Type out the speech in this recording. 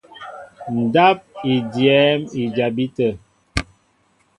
Ndáp i dyɛ́ɛ́m i jabí tə̂.